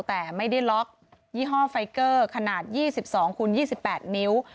แต่ไม่ได้ล็อกยี่ห้อไฟเกอร์ขนาด๒๒คูณ๒๘นิ้ว